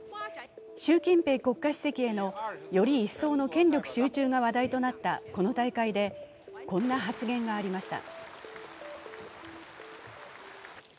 習近平国家主席へのより一層の権力集中が話題となったこの大会でこんな発言がありました。